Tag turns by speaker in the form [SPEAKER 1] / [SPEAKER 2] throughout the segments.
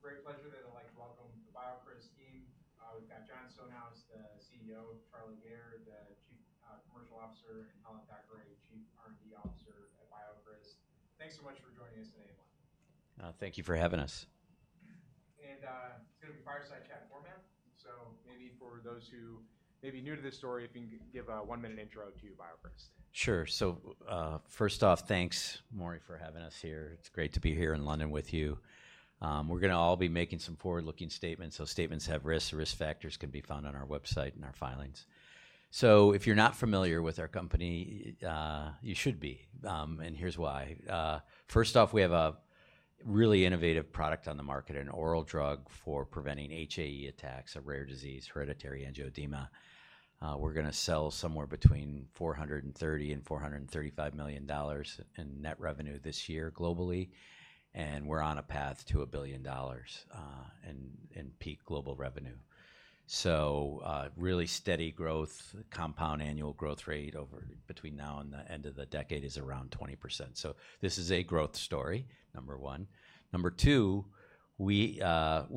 [SPEAKER 1] Hi everyone. My name is Maury Raycroft, and I'm one of the biotech analysts at Jefferies. It's a great pleasure to, like, welcome the BioCryst team. We've got Jon Stonehouse, the CEO, Charlie Gayer, the Chief Commercial Officer, and Helen Thackray, Chief R&D Officer at BioCryst. Thanks so much for joining us today, Emmanuel.
[SPEAKER 2] Thank you for having us.
[SPEAKER 1] It's going to be fireside chat format, so maybe for those who may be new to this story, if you can give a one-minute intro to BioCryst.
[SPEAKER 2] Sure. So first off, thanks, Maury, for having us here. It's great to be here in London with you. We're going to all be making some forward-looking statements, so statements have risks. Risk factors can be found on our website and our filings. So if you're not familiar with our company, you should be, and here's why. First off, we have a really innovative product on the market, an oral drug for preventing HAE attacks, a rare disease, hereditary angioedema. We're going to sell somewhere between $430-$435 million in net revenue this year globally, and we're on a path to $1 billion in peak global revenue. So really steady growth. Compound annual growth rate over between now and the end of the decade is around 20%. So this is a growth story, number one. Number two, we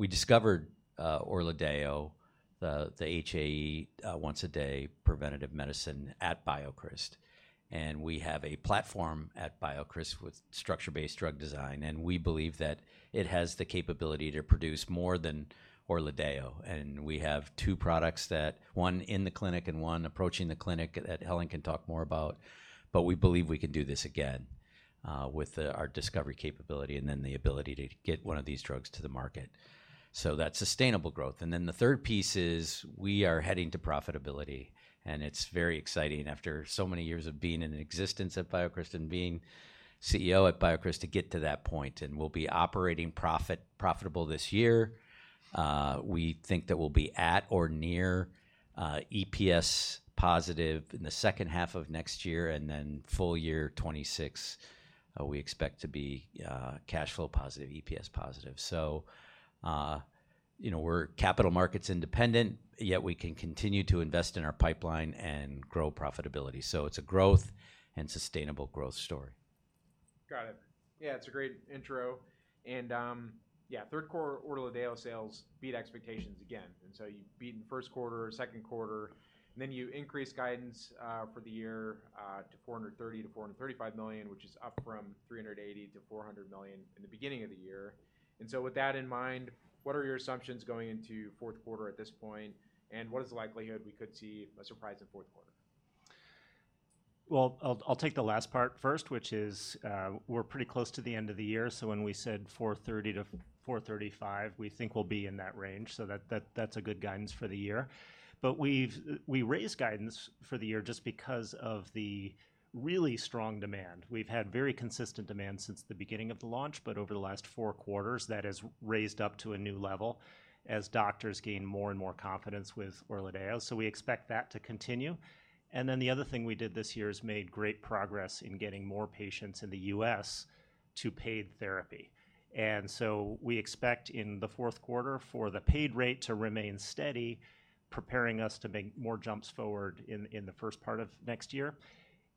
[SPEAKER 2] discovered Orladeyo, the HAE once-a-day preventive medicine at BioCryst, and we have a platform at BioCryst with structure-based drug design, and we believe that it has the capability to produce more than Orladeyo. We have two products that, one in the clinic and one approaching the clinic, that Helen can talk more about, but we believe we can do this again with our discovery capability and then the ability to get one of these drugs to the market. That's sustainable growth. The third piece is we are heading to profitability, and it's very exciting after so many years of being in existence at BioCryst and being CEO at BioCryst to get to that point. We'll be operating profitable this year. We think that we'll be at or near EPS positive in the second half of next year, and then full year 2026, we expect to be cash flow positive, EPS positive. So, you know, we're capital markets independent, yet we can continue to invest in our pipeline and grow profitability. So it's a growth and sustainable growth story.
[SPEAKER 1] Got it. Yeah, that's a great intro, and yeah, third quarter Orladeyo sales beat expectations again, and so you beat in first quarter, second quarter, and then you increase guidance for the year to $430 million-$435 million, which is up from $380 million-$400 million in the beginning of the year, and so with that in mind, what are your assumptions going into fourth quarter at this point, and what is the likelihood we could see a surprise in fourth quarter?
[SPEAKER 3] I'll take the last part first, which is we're pretty close to the end of the year. So when we said $430-$435, we think we'll be in that range. So that's a good guidance for the year. But we raised guidance for the year just because of the really strong demand. We've had very consistent demand since the beginning of the launch, but over the last four quarters, that has raised up to a new level as doctors gain more and more confidence with Orladeyo. So we expect that to continue. And then the other thing we did this year is made great progress in getting more patients in the U.S. to paid therapy. And so we expect in the fourth quarter for the paid rate to remain steady, preparing us to make more jumps forward in the first part of next year.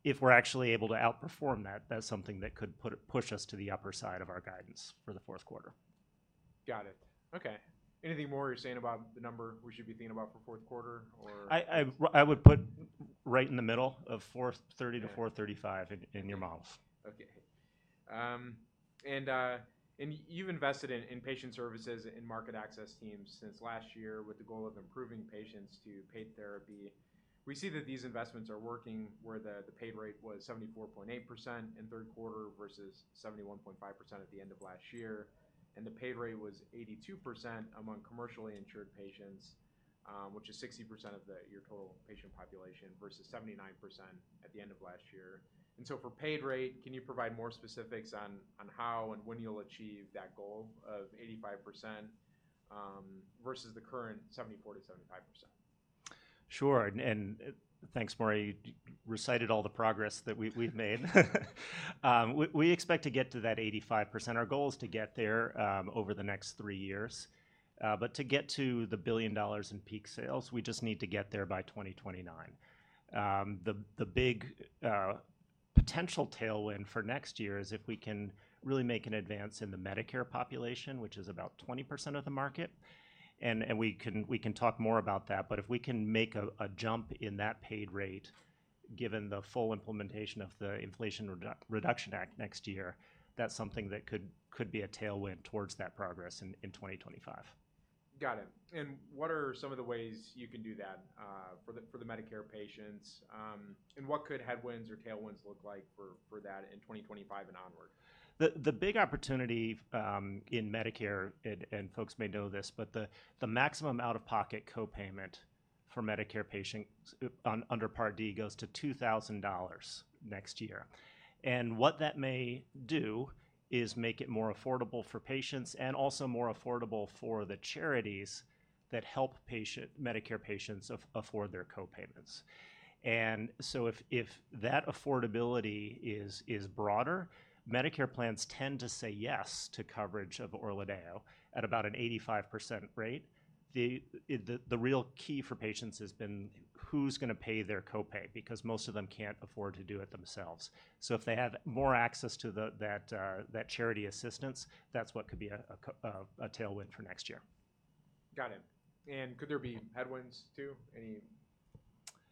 [SPEAKER 3] If we're actually able to outperform that, that's something that could push us to the upper side of our guidance for the fourth quarter.
[SPEAKER 1] Got it. Okay. Anything more you're saying about the number we should be thinking about for fourth quarter, or?
[SPEAKER 3] I would put right in the middle of $430-$435 in your model.
[SPEAKER 1] Okay. And you've invested in patient services and market access teams since last year with the goal of improving patients to paid therapy. We see that these investments are working where the paid rate was 74.8% in third quarter versus 71.5% at the end of last year. And the paid rate was 82% among commercially insured patients, which is 60% of your total patient population versus 79% at the end of last year. And so for paid rate, can you provide more specifics on how and when you'll achieve that goal of 85% versus the current 74%-75%?
[SPEAKER 3] Sure, and thanks, Maury. You recited all the progress that we've made. We expect to get to that 85%. Our goal is to get there over the next three years, but to get to the $1 billion in peak sales, we just need to get there by 2029. The big potential tailwind for next year is if we can really make an advance in the Medicare population, which is about 20% of the market, and we can talk more about that, but if we can make a jump in that paid rate, given the full implementation of the Inflation Reduction Act next year, that's something that could be a tailwind towards that progress in 2025.
[SPEAKER 1] Got it. And what are some of the ways you can do that for the Medicare patients, and what could headwinds or tailwinds look like for that in 2025 and onward?
[SPEAKER 2] The big opportunity in Medicare, and folks may know this, but the maximum out-of-pocket copayment for Medicare patients under Part D goes to $2,000 next year, and what that may do is make it more affordable for patients and also more affordable for the charities that help Medicare patients afford their copayments, and so if that affordability is broader, Medicare plans tend to say yes to coverage of Orladeyo at about an 85% rate. The real key for patients has been who's going to pay their copay because most of them can't afford to do it themselves. So if they have more access to that charity assistance, that's what could be a tailwind for next year.
[SPEAKER 1] Got it. And could there be headwinds too?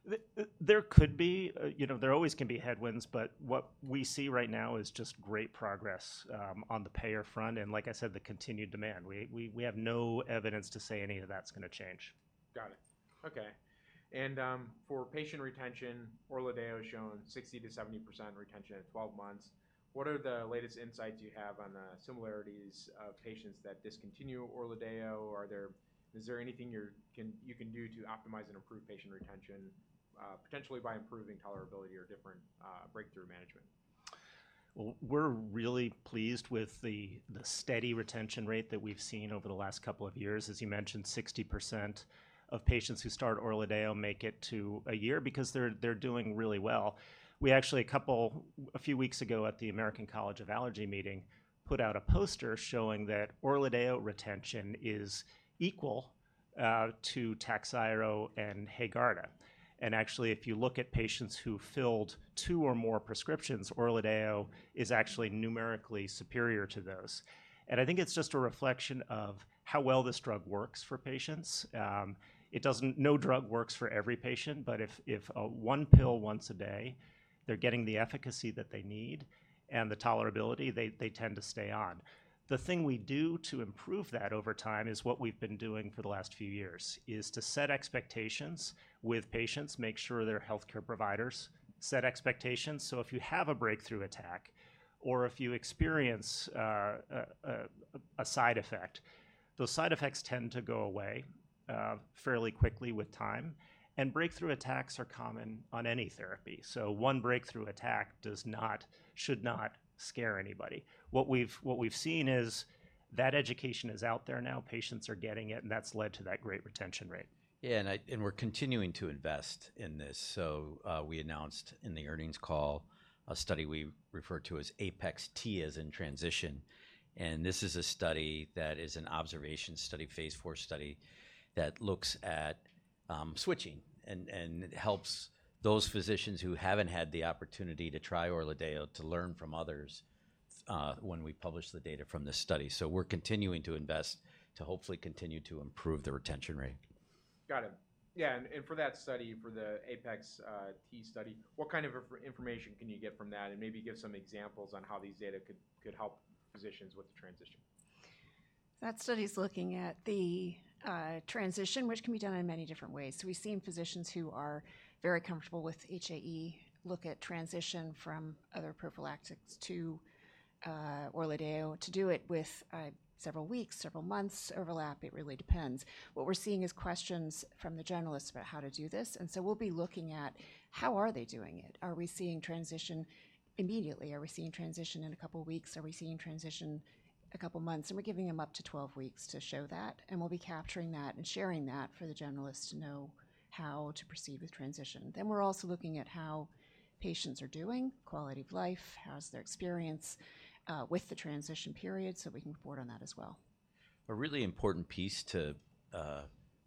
[SPEAKER 1] Any?
[SPEAKER 3] There could be. You know, there always can be headwinds, but what we see right now is just great progress on the payer front and, like I said, the continued demand. We have no evidence to say any of that's going to change.
[SPEAKER 1] Got it. Okay. And for patient retention, Orladeyo has shown 60%-70% retention at 12 months. What are the latest insights you have on the similarities of patients that discontinue Orladeyo? Is there anything you can do to optimize and improve patient retention, potentially by improving tolerability or different breakthrough management?
[SPEAKER 3] We're really pleased with the steady retention rate that we've seen over the last couple of years. As you mentioned, 60% of patients who start Orladeyo make it to a year because they're doing really well. We actually, a few weeks ago at the American College of Allergy meeting, put out a poster showing that Orladeyo retention is equal to Takhzyro and Haegarda. And actually, if you look at patients who filled two or more prescriptions, Orladeyo is actually numerically superior to those. And I think it's just a reflection of how well this drug works for patients. No drug works for every patient, but if one pill once a day, they're getting the efficacy that they need and the tolerability, they tend to stay on. The thing we do to improve that over time is what we've been doing for the last few years, is to set expectations with patients, make sure their healthcare providers set expectations. So if you have a breakthrough attack or if you experience a side effect, those side effects tend to go away fairly quickly with time. And breakthrough attacks are common on any therapy. So one breakthrough attack should not scare anybody. What we've seen is that education is out there now, patients are getting it, and that's led to that great retention rate.
[SPEAKER 2] Yeah. And we're continuing to invest in this. So we announced in the earnings call a study we refer to as APEX-T, as in transition. This is a study that is an observational study, phase 4 study that looks at switching and helps those physicians who haven't had the opportunity to try Orladeyo to learn from others when we publish the data from this study. We're continuing to invest to hopefully continue to improve the retention rate.
[SPEAKER 1] Got it. Yeah, and for that study, for the APEX-T study, what kind of information can you get from that and maybe give some examples on how these data could help physicians with the transition?
[SPEAKER 4] That study is looking at the transition, which can be done in many different ways. So we've seen physicians who are very comfortable with HAE look at transition from other prophylactics to Orladeyo to do it with several weeks, several months overlap. It really depends. What we're seeing is questions from the generalists about how to do this. And so we'll be looking at how are they doing it. Are we seeing transition immediately? Are we seeing transition in a couple of weeks? Are we seeing transition a couple of months? And we're giving them up to 12 weeks to show that. And we'll be capturing that and sharing that for the generalists to know how to proceed with transition. Then we're also looking at how patients are doing, quality of life, how's their experience with the transition period, so we can report on that as well.
[SPEAKER 2] A really important piece to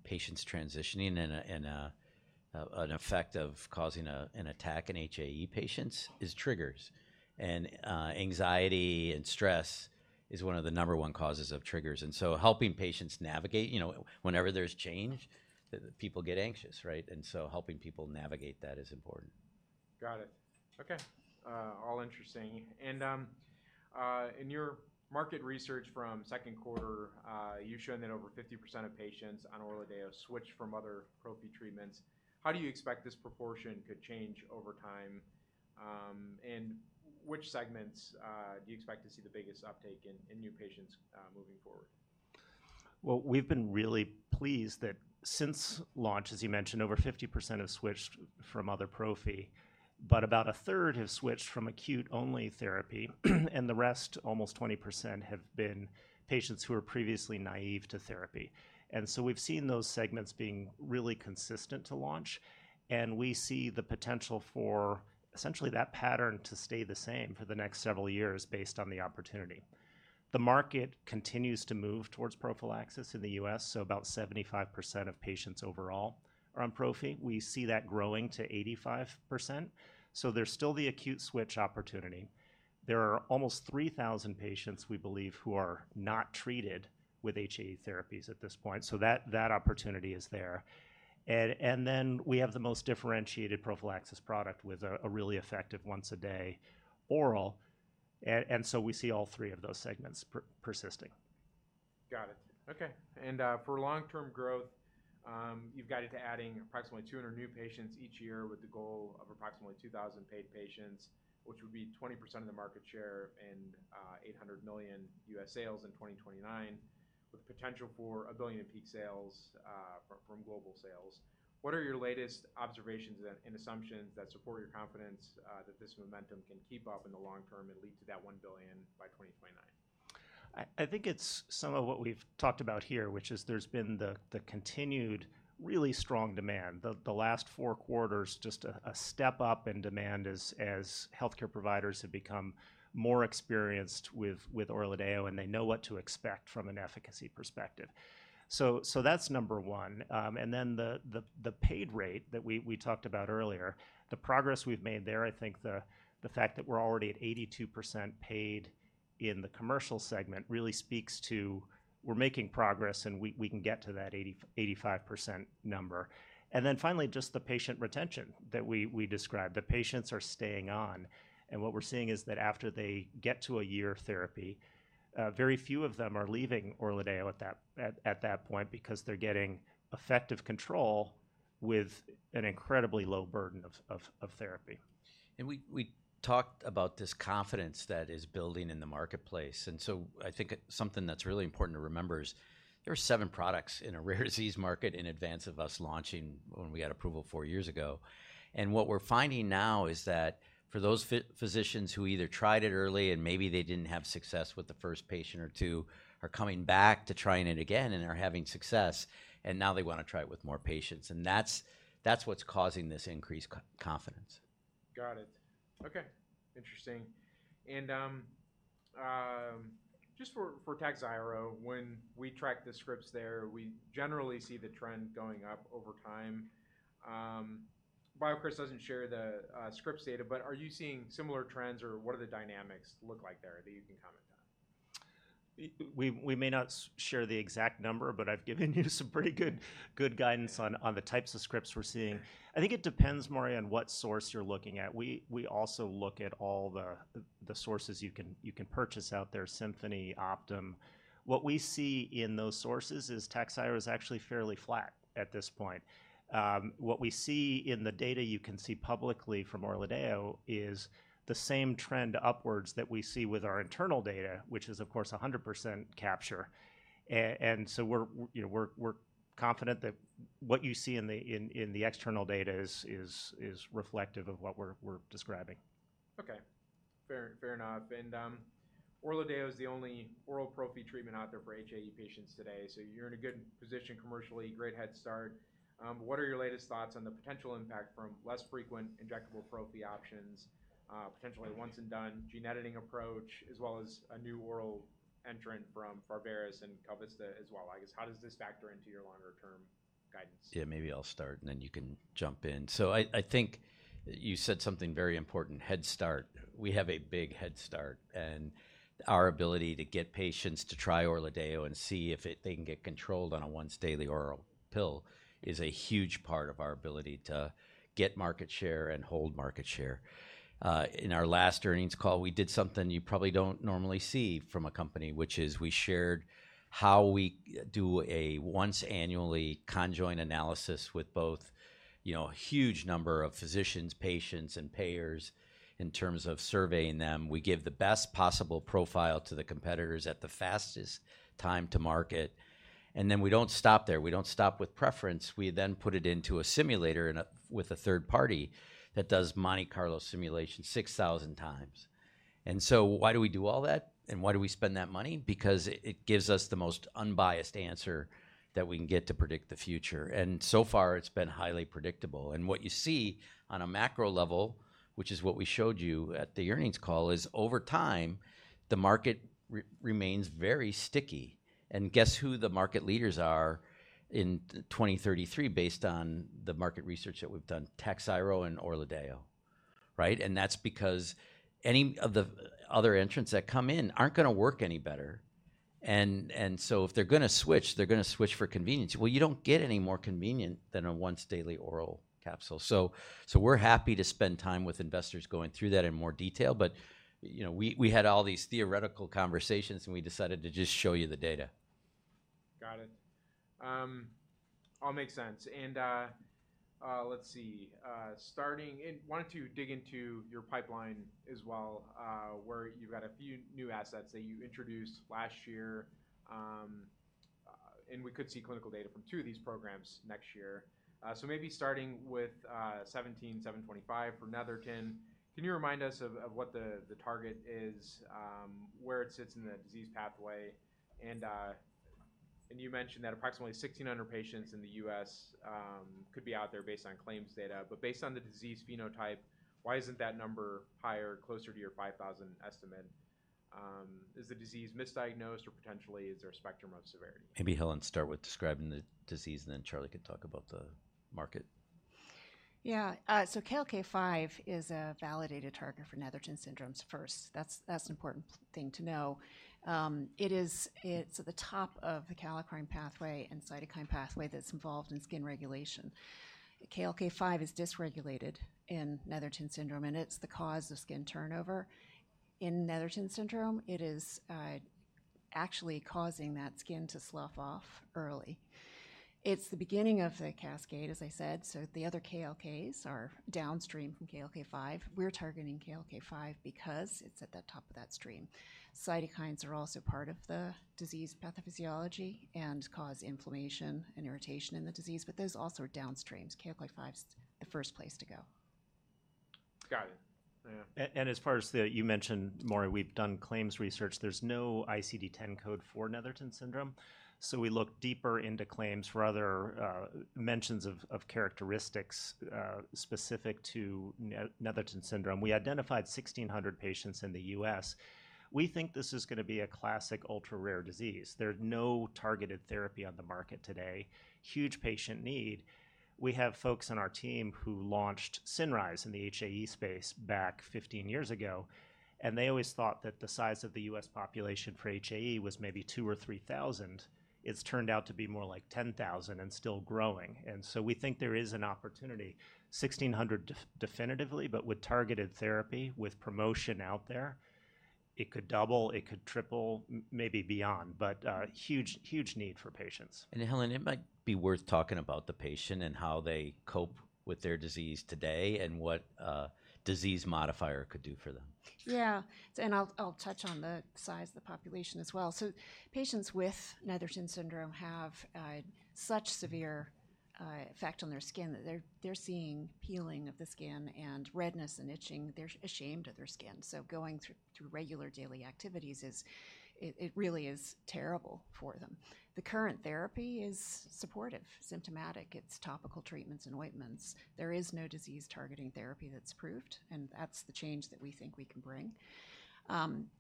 [SPEAKER 2] patients transitioning and an effect of causing an attack in HAE patients is triggers. And anxiety and stress is one of the number one causes of triggers. And so helping patients navigate, you know, whenever there's change, people get anxious, right? And so helping people navigate that is important.
[SPEAKER 1] Got it. Okay. All interesting. And in your market research from second quarter, you've shown that over 50% of patients on Orladeyo switch from other prophy treatments. How do you expect this proportion could change over time? And which segments do you expect to see the biggest uptake in new patients moving forward?
[SPEAKER 3] We've been really pleased that since launch, as you mentioned, over 50% have switched from other prophy, but about a third have switched from acute-only therapy, and the rest, almost 20%, have been patients who are previously naive to therapy. So we've seen those segments being really consistent to launch, and we see the potential for essentially that pattern to stay the same for the next several years based on the opportunity. The market continues to move towards prophylaxis in the U.S., so about 75% of patients overall are on prophy. We see that growing to 85%. There's still the acute switch opportunity. There are almost 3,000 patients, we believe, who are not treated with HAE therapies at this point. That opportunity is there. We have the most differentiated prophylaxis product with a really effective once-a-day oral. And so we see all three of those segments persisting.
[SPEAKER 1] Got it. Okay. And for long-term growth, you've guided to adding approximately 200 new patients each year with the goal of approximately 2,000 paid patients, which would be 20% of the market share and $800 million U.S. sales in 2029, with potential for $1 billion in peak sales from global sales. What are your latest observations and assumptions that support your confidence that this momentum can keep up in the long term and lead to that $1 billion by 2029?
[SPEAKER 3] I think it's some of what we've talked about here, which is there's been the continued really strong demand. The last four quarters, just a step up in demand as healthcare providers have become more experienced with Orladeyo and they know what to expect from an efficacy perspective. So that's number one. And then the paid rate that we talked about earlier, the progress we've made there, I think the fact that we're already at 82% paid in the commercial segment really speaks to we're making progress and we can get to that 85% number. And then finally, just the patient retention that we described. The patients are staying on. And what we're seeing is that after they get to a year of therapy, very few of them are leaving Orladeyo at that point because they're getting effective control with an incredibly low burden of therapy.
[SPEAKER 2] We talked about this confidence that is building in the marketplace. So I think something that's really important to remember is there are seven products in a rare disease market in advance of us launching when we got approval four years ago. What we're finding now is that for those physicians who either tried it early and maybe they didn't have success with the first patient or two, are coming back to trying it again and are having success, and now they want to try it with more patients. That's what's causing this increased confidence.
[SPEAKER 1] Got it. Okay. Interesting. And just for Takhzyro, when we track the scripts there, we generally see the trend going up over time. BioCryst doesn't share the scripts data, but are you seeing similar trends or what do the dynamics look like there that you can comment on?
[SPEAKER 3] We may not share the exact number, but I've given you some pretty good guidance on the types of scripts we're seeing. I think it depends, Maury, on what source you're looking at. We also look at all the sources you can purchase out there, Symphony, Optum. What we see in those sources is Takhzyro is actually fairly flat at this point. What we see in the data you can see publicly from Orladeyo is the same trend upwards that we see with our internal data, which is, of course, 100% capture, and so we're confident that what you see in the external data is reflective of what we're describing.
[SPEAKER 1] Okay. Fair enough. And Orladeyo is the only oral prophy treatment out there for HAE patients today. So you're in a good position commercially, great head start. What are your latest thoughts on the potential impact from less frequent injectable prophy options, potentially a once-and-done gene editing approach, as well as a new oral entrant from Pharvaris and KalVista as well? I guess, how does this factor into your longer-term guidance?
[SPEAKER 2] Yeah, maybe I'll start and then you can jump in. So I think you said something very important, head start. We have a big head start. And our ability to get patients to try Orladeyo and see if they can get controlled on a once-daily oral pill is a huge part of our ability to get market share and hold market share. In our last earnings call, we did something you probably don't normally see from a company, which is we shared how we do a once-annually conjoint analysis with both a huge number of physicians, patients, and payers in terms of surveying them. We give the best possible profile to the competitors at the fastest time to market. And then we don't stop there. We don't stop with preference. We then put it into a simulator with a third party that does Monte Carlo simulation 6,000 times. And so why do we do all that and why do we spend that money? Because it gives us the most unbiased answer that we can get to predict the future. And so far, it's been highly predictable. And what you see on a macro level, which is what we showed you at the earnings call, is over time, the market remains very sticky. And guess who the market leaders are in 2033 based on the market research that we've done? Takhzyro and Orladeyo, right? And that's because any of the other entrants that come in aren't going to work any better. And so if they're going to switch, they're going to switch for convenience. Well, you don't get any more convenient than a once-daily oral capsule. So we're happy to spend time with investors going through that in more detail, but we had all these theoretical conversations and we decided to just show you the data.
[SPEAKER 1] Got it. All makes sense. And let's see. Starting, I wanted to dig into your pipeline as well, where you've got a few new assets that you introduced last year. And we could see clinical data from two of these programs next year. So maybe starting with 17725 for Netherton. Can you remind us of what the target is, where it sits in the disease pathway? And you mentioned that approximately 1,600 patients in the U.S. could be out there based on claims data. But based on the disease phenotype, why isn't that number higher, closer to your 5,000 estimate? Is the disease misdiagnosed or potentially is there a spectrum of severity?
[SPEAKER 2] Maybe Helen start with describing the disease and then Charlie could talk about the market.
[SPEAKER 4] Yeah. So, KLK5 is a validated target for Netherton syndrome first. That's an important thing to know. It's at the top of the kallikrein pathway and cytokine pathway that's involved in skin regulation. KLK5 is dysregulated in Netherton syndrome and it's the cause of skin turnover. In Netherton syndrome, it is actually causing that skin to slough off early. It's the beginning of the cascade, as I said. So, the other KLKs are downstream from KLK5. We're targeting KLK5 because it's at the top of that stream. Cytokines are also part of the disease pathophysiology and cause inflammation and irritation in the disease, but there's also downstream. KLK5 is the first place to go.
[SPEAKER 1] Got it. Yeah.
[SPEAKER 3] As far as you mentioned, Maury, we've done claims research. There's no ICD-10 code for Netherton syndrome. So we looked deeper into claims for other mentions of characteristics specific to Netherton syndrome. We identified 1,600 patients in the U.S. We think this is going to be a classic ultra-rare disease. There's no targeted therapy on the market today. Huge patient need. We have folks on our team who launched Cinryze in the HAE space back 15 years ago. And they always thought that the size of the U.S. population for HAE was maybe 2,000 or 3,000. It's turned out to be more like 10,000 and still growing. And so we think there is an opportunity. 1,600 definitively, but with targeted therapy with promotion out there, it could double, it could triple, maybe beyond, but huge need for patients.
[SPEAKER 2] Helen, it might be worth talking about the patient and how they cope with their disease today and what disease modifier could do for them.
[SPEAKER 4] Yeah, and I'll touch on the size of the population as well, so patients with Netherton syndrome have such severe effect on their skin that they're seeing peeling of the skin and redness and itching. They're ashamed of their skin, so going through regular daily activities is. It really is terrible for them. The current therapy is supportive, symptomatic. It's topical treatments and ointments. There is no disease-targeting therapy that's proved, and that's the change that we think we can bring.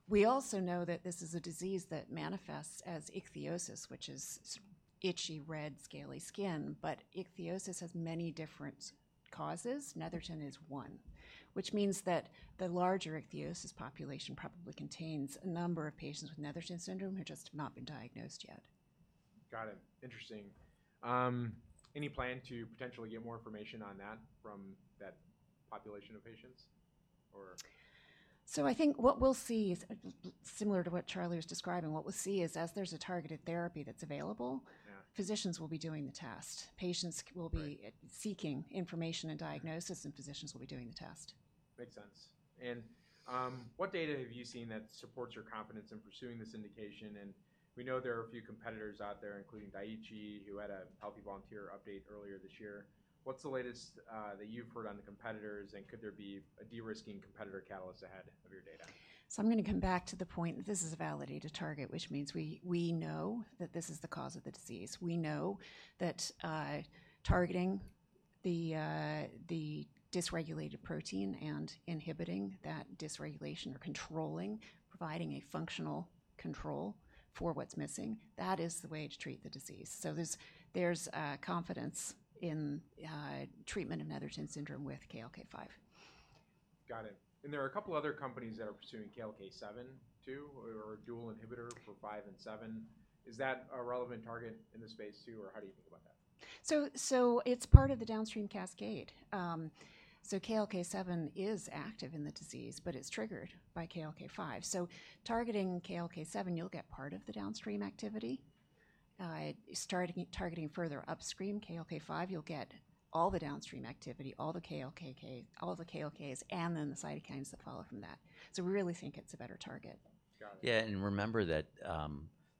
[SPEAKER 4] We also know that this is a disease that manifests as ichthyosis, which is itchy, red, scaly skin, but ichthyosis has many different causes. Netherton is one, which means that the larger ichthyosis population probably contains a number of patients with Netherton syndrome who just have not been diagnosed yet.
[SPEAKER 1] Got it. Interesting. Any plan to potentially get more information on that from that population of patients?
[SPEAKER 4] So I think what we'll see is similar to what Charlie was describing. What we'll see is as there's a targeted therapy that's available, physicians will be doing the test. Patients will be seeking information and diagnosis, and physicians will be doing the test.
[SPEAKER 1] Makes sense, and what data have you seen that supports your confidence in pursuing this indication, and we know there are a few competitors out there, including Daiichi, who had a healthy volunteer update earlier this year. What's the latest that you've heard on the competitors, and could there be a de-risking competitor catalyst ahead of your data?
[SPEAKER 4] So I'm going to come back to the point that this is a validated target, which means we know that this is the cause of the disease. We know that targeting the dysregulated protein and inhibiting that dysregulation or controlling, providing a functional control for what's missing, that is the way to treat the disease. So there's confidence in treatment of Netherton syndrome with KLK5.
[SPEAKER 1] Got it. And there are a couple of other companies that are pursuing KLK7 too, or a dual inhibitor for 5 and 7. Is that a relevant target in this space too, or how do you think about that?
[SPEAKER 4] So it's part of the downstream cascade. So KLK7 is active in the disease, but it's triggered by KLK5. So targeting KLK7, you'll get part of the downstream activity. Targeting further upstream, KLK5, you'll get all the downstream activity, all the KLKs, and then the cytokines that follow from that. So we really think it's a better target.
[SPEAKER 2] Yeah. And remember that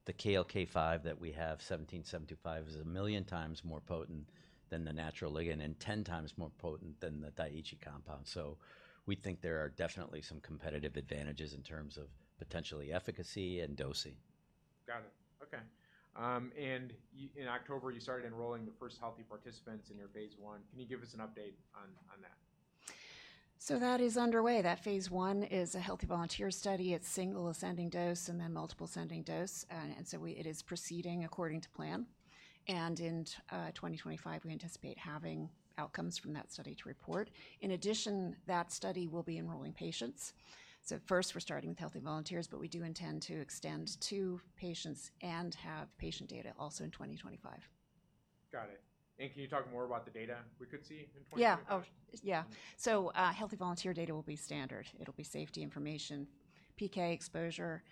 [SPEAKER 2] the KLK5 that we have, 17725, is a million times more potent than the natural ligand and 10 times more potent than the Daiichi compound. So we think there are definitely some competitive advantages in terms of potentially efficacy and dosing.
[SPEAKER 1] Got it. Okay, and in October, you started enrolling the first healthy participants in your phase one. Can you give us an update on that?
[SPEAKER 4] That is underway. That phase one is a healthy volunteer study. It's single ascending dose and then multiple ascending dose. It is proceeding according to plan. In 2025, we anticipate having outcomes from that study to report. In addition, that study will be enrolling patients. First, we're starting with healthy volunteers, but we do intend to extend to patients and have patient data also in 2025.
[SPEAKER 1] Got it. And can you talk more about the data we could see in 2025?
[SPEAKER 4] Yeah. Oh, yeah. So healthy volunteer data will be standard. It'll be safety information, PK exposure.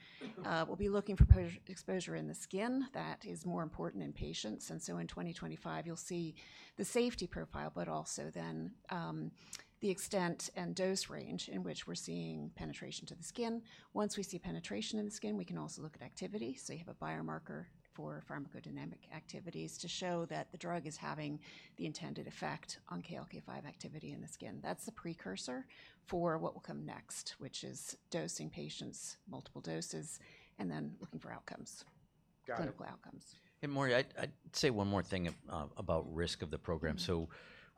[SPEAKER 4] We'll be looking for exposure in the skin. That is more important in patients. And so in 2025, you'll see the safety profile, but also then the extent and dose range in which we're seeing penetration to the skin. Once we see penetration in the skin, we can also look at activity. So you have a biomarker for pharmacodynamic activities to show that the drug is having the intended effect on KLK5 activity in the skin. That's the precursor for what will come next, which is dosing patients, multiple doses, and then looking for outcomes, clinical outcomes.
[SPEAKER 2] And Maury, I'd say one more thing about risk of the program. So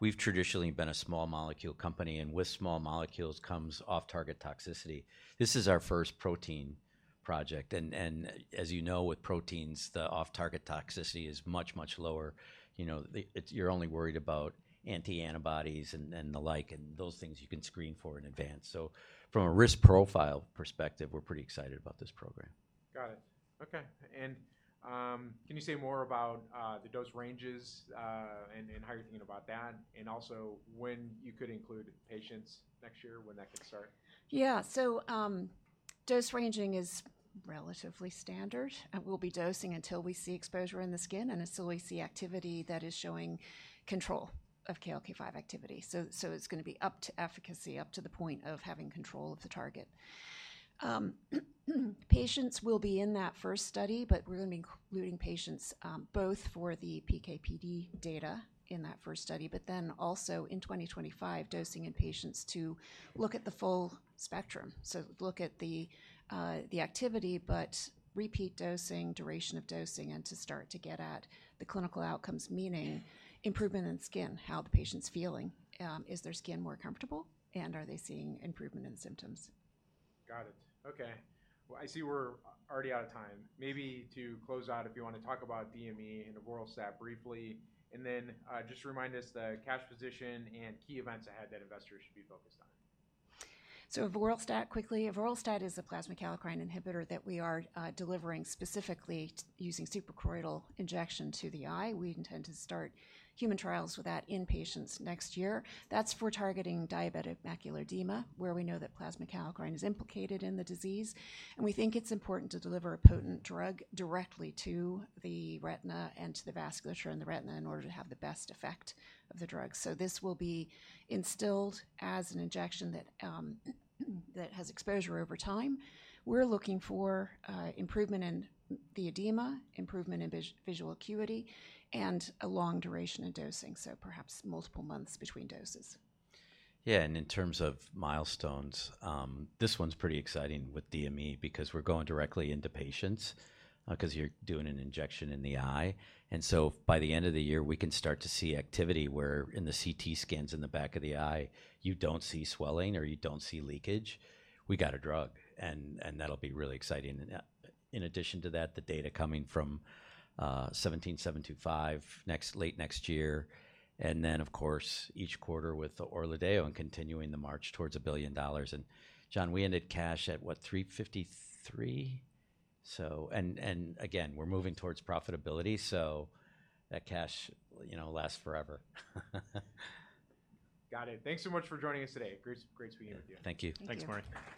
[SPEAKER 2] we've traditionally been a small molecule company, and with small molecules comes off-target toxicity. This is our first protein project. And as you know, with proteins, the off-target toxicity is much, much lower. You're only worried about anti-antibodies and the like, and those things you can screen for in advance. So from a risk profile perspective, we're pretty excited about this program.
[SPEAKER 1] Got it. Okay. And can you say more about the dose ranges and how you're thinking about that? And also when you could include patients next year, when that could start?
[SPEAKER 4] Yeah. So dose ranging is relatively standard. We'll be dosing until we see exposure in the skin and until we see activity that is showing control of KLK5 activity. So it's going to be up to efficacy, up to the point of having control of the target. Patients will be in that first study, but we're going to be including patients both for the PK/PD data in that first study, but then also in 2025, dosing in patients to look at the full spectrum. So look at the activity, but repeat dosing, duration of dosing, and to start to get at the clinical outcomes, meaning improvement in skin, how the patient's feeling. Is their skin more comfortable? And are they seeing improvement in symptoms?
[SPEAKER 1] Got it. Okay. Well, I see we're already out of time. Maybe to close out, if you want to talk about DME and avoralstat briefly, and then just remind us the cash position and key events ahead that investors should be focused on.
[SPEAKER 4] So avoralstat quickly. Avoralstat is a plasma kallikrein inhibitor that we are delivering specifically using suprachoroidal injection to the eye. We intend to start human trials with that in patients next year. That's for targeting diabetic macular edema where we know that plasma kallikrein is implicated in the disease. And we think it's important to deliver a potent drug directly to the retina and to the vasculature in the retina in order to have the best effect of the drug. So this will be instilled as an injection that has exposure over time. We're looking for improvement in the edema, improvement in visual acuity, and a long duration of dosing, so perhaps multiple months between doses.
[SPEAKER 2] Yeah. And in terms of milestones, this one's pretty exciting with DME because we're going directly into patients because you're doing an injection in the eye. And so by the end of the year, we can start to see activity where in the CT scans in the back of the eye, you don't see swelling or you don't see leakage. We got a drug. And that'll be really exciting. In addition to that, the data coming from 17725 late next year. And then, of course, each quarter with Orladeyo and continuing the march towards $1 billion. And John, we ended cash at what, $353 million? So, and again, we're moving towards profitability. So that cash lasts forever.
[SPEAKER 1] Got it. Thanks so much for joining us today. Great to be here with you.
[SPEAKER 2] Thank you. Thanks, Maury.